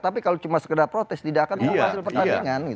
tapi kalau cuma sekedar protes tidak akan menghasil pertandingan gitu